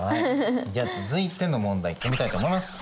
じゃあ続いての問題いってみたい思います。